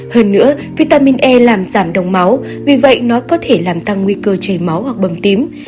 hơn nữa vitamin e làm giảm đồng máu vì vậy nó có thể làm tăng nguy cơ chảy máu hoặc bầm tím